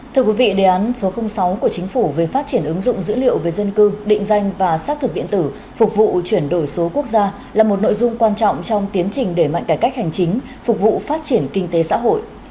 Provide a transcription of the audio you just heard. thưa quý vị đề án số sáu của chính phủ về phát triển ứng dụng dữ liệu về dân cư định danh và xác thực điện tử phục vụ chuyển đổi số quốc gia là một nội dung quan trọng trong tiến trình đẩy mạnh cải cách hành chính phục vụ phát triển kinh tế xã hội